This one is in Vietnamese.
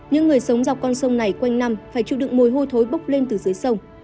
những người sống dọc con sông này quanh năm phải chịu đựng mùi hôi thối bốc lên từ dưới sông